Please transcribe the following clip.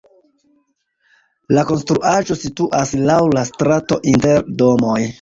La konstruaĵo situas laŭ la strato inter domoj.